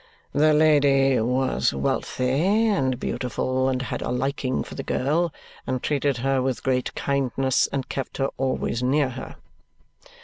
"The lady was wealthy and beautiful, and had a liking for the girl, and treated her with great kindness, and kept her always near her.